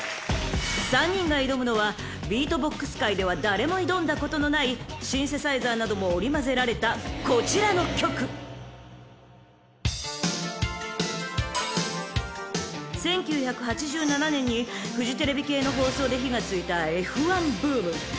［３人が挑むのはビートボックス界では誰も挑んだことのないシンセサイザーなども織り交ぜられたこちらの曲］［１９８７年にフジテレビ系の放送で火が付いたＦ１ブーム］